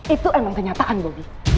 itu emang kenyataan bobby